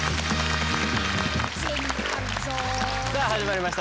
さあ始まりました